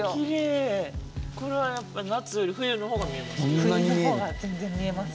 これはやっぱ夏より冬の方が見えます？